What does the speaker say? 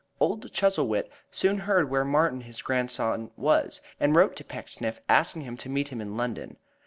Old Chuzzlewit soon heard where Martin his grandson was, and wrote to Pecksniff asking him to meet him in London.